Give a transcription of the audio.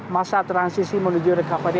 masa transisi menuju recovery